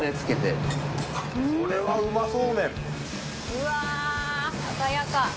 うわぁ鮮やか！